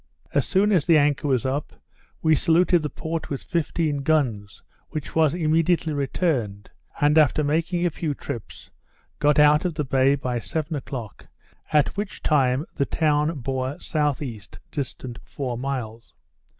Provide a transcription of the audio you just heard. As soon as the anchor was up, we saluted the port with fifteen guns, which was immediately returned; and after making a few trips, got out of the bay by seven o'clock, at which time the town bore S.E. distant four miles.